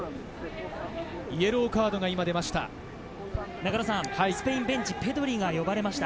イエローカードが出ました。